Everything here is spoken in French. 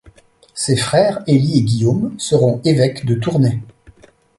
Ses frères Élie et Guillaume seront évêques de Tournai.